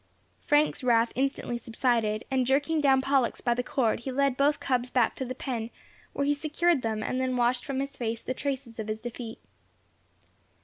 Frank's wrath instantly subsided, and jerking down Pollux by the cord, he led both cubs back to the pen, where he secured them, and then washed from his face the traces of his defeat.